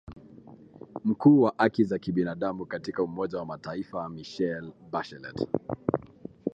mkuu wa haki za binadamu katika Umoja wa Mataifa Michelle Bachelet